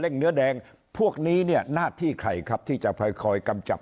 เนื้อแดงพวกนี้เนี่ยหน้าที่ใครครับที่จะคอยกำจัด